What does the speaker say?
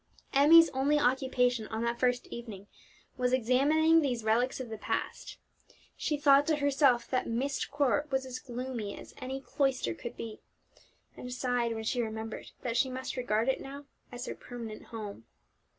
Emmie's only occupation on that first evening was examining these relics of the past. She thought to herself that Myst Court was as gloomy as any cloister could be, and sighed when she remembered that she must regard it now as her permanent home.